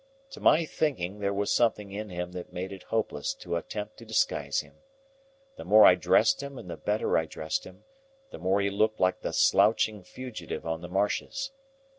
To my thinking, there was something in him that made it hopeless to attempt to disguise him. The more I dressed him and the better I dressed him, the more he looked like the slouching fugitive on the marshes.